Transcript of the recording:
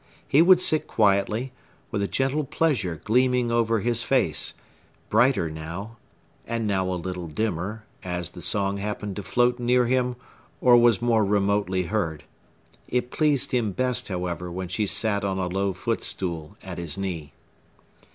He would sit quietly, with a gentle pleasure gleaming over his face, brighter now, and now a little dimmer, as the song happened to float near him, or was more remotely heard. It pleased him best, however, when she sat on a low footstool at his knee.